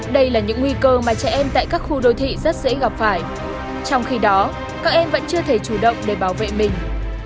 đây là những nguy cơ mà trẻ em tại các khu đô thị rất dễ gặp phải trong khi đó các em vẫn chưa thể chủ động để bảo vệ mình